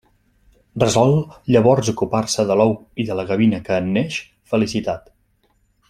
Resol llavors ocupar-se de l'ou i de la gavina que en neix, Felicitat.